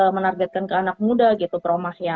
menargetkan ke anak muda gitu promak ya